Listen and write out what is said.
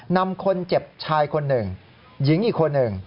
นำคนเจ็บชายคนหนึ่งหญิงอีกคนหนึ่ง